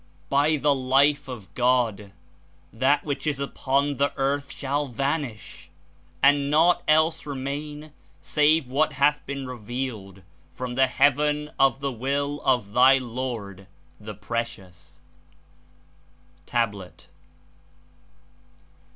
By the Life of God! that which is upon the earth shall van ish, and naught else remain save what hath been re vealed from the heaven of the Will of thy Lord, the Precious." (Tablet.)